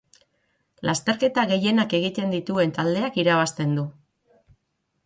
Lasterketa gehienak egiten dituen taldeak irabazten du.